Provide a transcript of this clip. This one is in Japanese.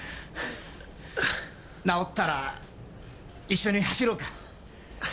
治ったら一緒に走ろうか。